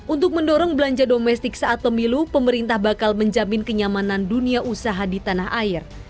untuk mendorong belanja domestik saat pemilu pemerintah bakal menjamin kenyamanan dunia usaha di tanah air